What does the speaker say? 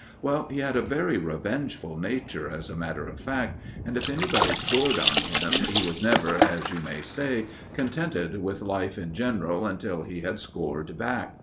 Well, he had a very revengeful nature, as a matter of fact, and if anybody scored on him, he was never, as you may say, contented with life in general until he had scored back.